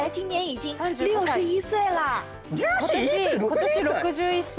今年６１歳。